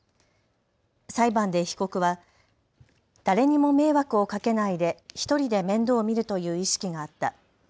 裁判で被告は誰にも迷惑をかけないで１人で面倒を見るという意識があった。